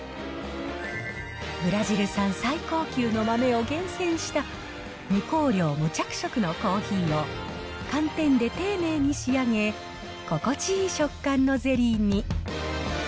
ブラジル産最高級の豆を厳選した、無香料、無着色のコーヒーを寒天で丁寧に仕上げ、心地いい食感のゼリーに。